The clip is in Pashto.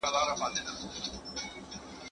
د ملي ګټو لپاره ټولو یو ږغ درلود.